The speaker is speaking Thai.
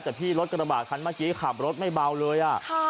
แต่พี่รถกระบาดคันเมื่อกี้ขับรถไม่เบาเลย